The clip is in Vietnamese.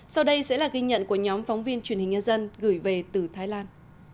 sau đây sẽ là ghi nhận của nhóm phóng viên truyền hình nhân dân gửi về từ thái lan